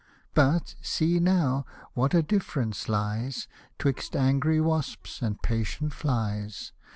But, see now, what a difference lies 'Twixt angry wasps and patient flies.